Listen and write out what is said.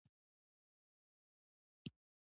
مطلق حال هغه دی چې په اوسنۍ زمانه کې کار ترسره کیږي.